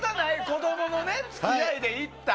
子供の付き合いで行った。